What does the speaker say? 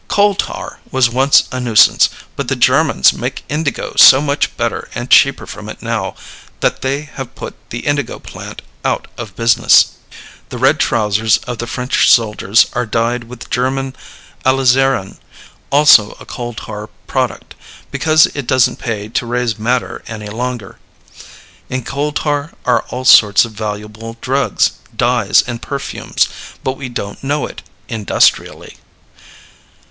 Coal tar was once a nuisance, but the Germans make indigo so much better and cheaper from it now that they have put the indigo plant out of business. The red trousers of the French soldiers are dyed with German alizarin, also a coal tar product, because it doesn't pay to raise madder any longer. In coal tar are all sorts of valuable drugs, dyes, and perfumes. But we don't know it industrially.